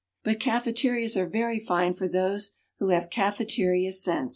But cafeterias are very fine for those who have cafeteria sense.